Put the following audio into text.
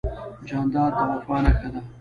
جانداد د وفا نښه ده.